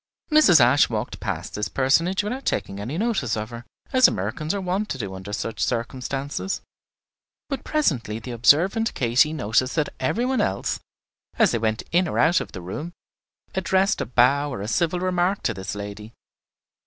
Mrs. Ashe walked past this personage without taking any notice of her, as Americans are wont to do under such circumstances; but presently the observant Katy noticed that every one else, as they went in or out of the room, addressed a bow or a civil remark to this lady.